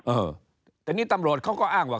เออแต่นี่ตำรวจเขาก็อ้างว่า